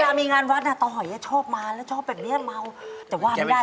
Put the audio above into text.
คือเป็นว่ามันมีหลายขณะเนี่ยครับ